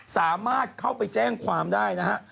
สามารถเข้าไปแจ้งความได้นะฮะ